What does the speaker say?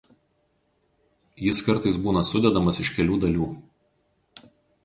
Jis kartais būna sudedamas iš kelių dalių.